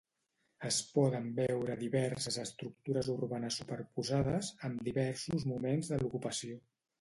Es poden veure diverses estructures urbanes superposades, amb diversos moments de l'ocupació.